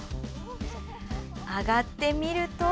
上がってみると。